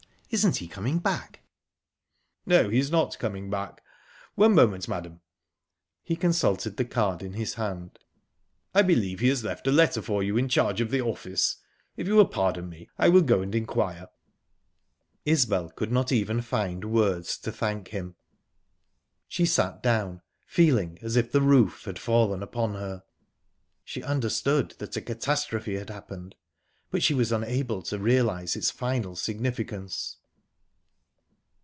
Isn't he coming back?" "No, he is not coming back...One moment, madam..." He consulted the card in his hand. "I believe he has left a letter for you in charge of the office. If you will pardon me, I will go and inquire." Isbel could not even find words to thank him. She sat down, feeling as if the roof had fallen upon her. She understood that a catastrophe had happened, but she was unable to realise its final significance.